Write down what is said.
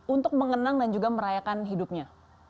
untuk mengenang dan juga merayakan hidupnya